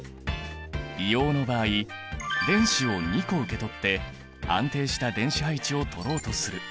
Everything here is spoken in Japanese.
硫黄の場合電子を２個受け取って安定した電子配置をとろうとする。